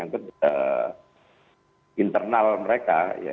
ke internal mereka